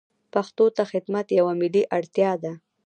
پښتو ته خدمت یوه ملي اړتیا ده.